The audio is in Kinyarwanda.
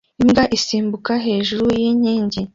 imbwa isimbukira hejuru yinkingi